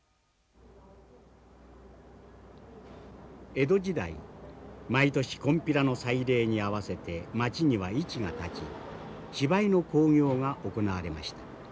江戸時代毎年金毘羅の祭礼に合わせて町には市が立ち芝居の興行が行われました。